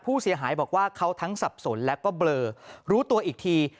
ผู้เสียหายบอกว่าเขาทั้งสับสนแล้วก็เบลอรู้ตัวอีกที